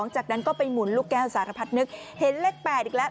จากนั้นก็ไปหมุนลูกแก้วสารพัดนึกเห็นเลข๘อีกแล้ว